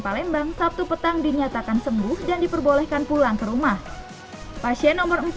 palembang sabtu petang dinyatakan sembuh dan diperbolehkan pulang kedua uang pasien nomor